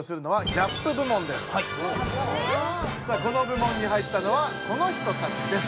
・ギャップ⁉さあこの部門に入ったのはこの人たちです！